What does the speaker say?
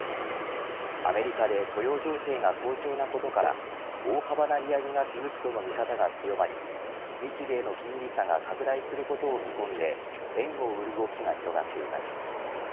アメリカで雇用情勢が好調なことから大幅な利上げが続くとの見方が強まり日米の金利差が拡大することを見込んで円を売る動きが広がっています。